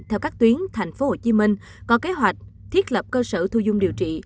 theo các tuyến thành phố hồ chí minh có kế hoạch thiết lập cơ sở thu dung điều trị